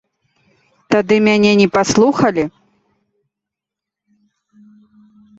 Тады мяне не паслухалі.